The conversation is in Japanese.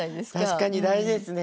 確かに大事ですね。